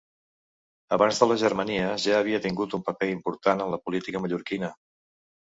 Abans de les Germanies ja havia tengut un paper important en la política mallorquina.